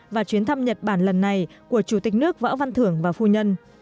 và chuyến thăm nhật bản lần này của chủ tịch nước võ văn thưởng và phu nhân